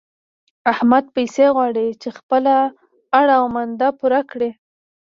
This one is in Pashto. احمد پيسې غواړي چې خپله اړه و مانده پوره کړي.